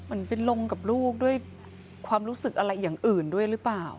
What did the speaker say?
มันเป็นลงกับลูกด้วยความรู้สึกอะไรอย่างอื่นด้วยหรือเปล่า